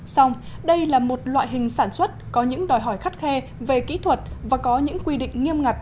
xong đây là một loại hình sản xuất có những đòi hỏi khắt khe về kỹ thuật và có những quy định nghiêm ngặt